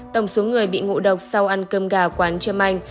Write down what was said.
tổng số người bị ngộ độc sau ăn cơm gà quán trơm anh